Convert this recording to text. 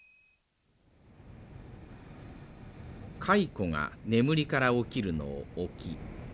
蚕が眠りから起きるのを「起き」